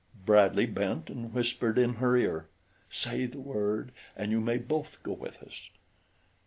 Bradley bent and whispered in her ear. "Say the word and you may both go with us."